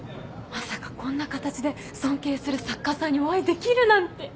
まさかこんな形で尊敬する作家さんにお会いできるなんて。